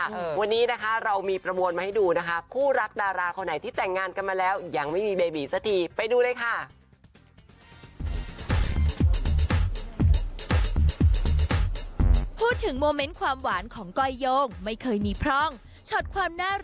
เออวันนี้นะคะเรามีประววนมาให้ดูนะคะคู่รักดาราคนไหนที่แต่งงานกันมาแล้ว